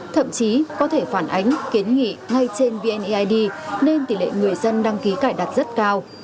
thậm chí có thể phản ánh kiến nghị ngay trên vneid nên tỷ lệ người dân đăng ký cài đặt rất cao